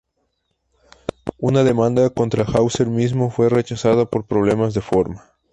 Una demanda contra Hauser mismo fue rechazada por problemas de forma.